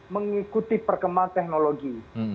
mengikuti perkembangan teknologi